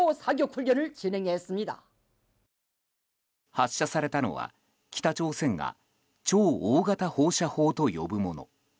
発射されたのは、北朝鮮が超大型放射砲と呼ぶもの。